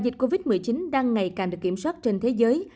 dịch covid một mươi chín đang ngày càng được kiểm soát trên thế giới